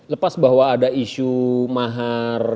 lepas bahwa ada isu mahar